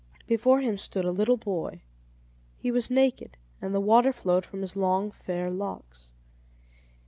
Before him stood a little boy; he was naked, and the water flowed from his long fair locks.